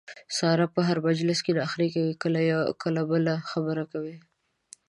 ساره په هر مجلس کې نخرې کوي کله یوه کله بله خبره کوي.